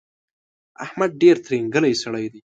احمد ډېر ترینګلی سړی دی.